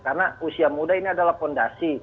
karena usia muda ini adalah fondasi